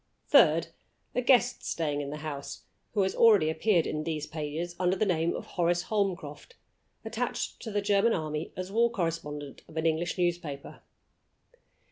Third, a guest staying in the house, who has already appeared in these pages under the name of Horace Holmcroft attached to the German army as war correspondent of an English newspaper.